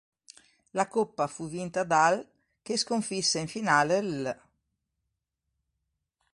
La coppa fu vinta dal che sconfisse in finale l'.